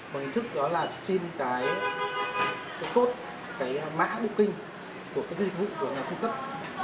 một hình thức đó là xin cái cốt cái mã booking của cái dịch vụ của ngày cung cấp